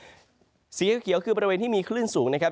สีเขียวคือบริเวณที่มีคลื่นสูงนะครับ